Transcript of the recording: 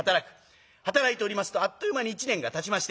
働いておりますとあっという間に一年がたちまして。